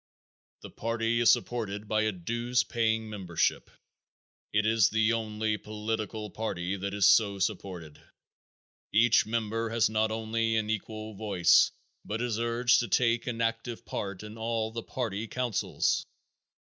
The party is supported by a dues paying membership. It is the only political party that is so supported. Each member has not only an equal voice but is urged to take an active part in all the party councils.